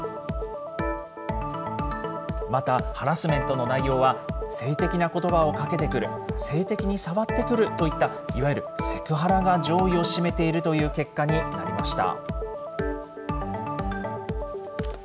またハラスメントの内容は、性的なことばをかけてくる、性的に触ってくるといった、いわゆるセクハラが上位を占めているという結果になりました。